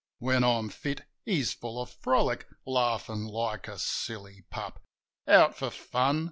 When I'm fit, he's full of frolic, laughin' like a silly pup Out for fun.